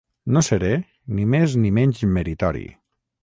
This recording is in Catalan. No seré ni més ni menys meritori